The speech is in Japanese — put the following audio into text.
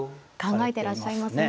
考えてらっしゃいますね。